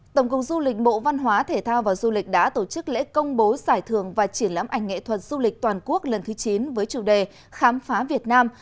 tổng cục du lịch bộ văn hóa thể thao và du lịch đã tổ chức lễ công bố giải thưởng và triển lãm ảnh nghệ thuật du lịch toàn quốc lần thứ chín với chủ đề khám phá việt nam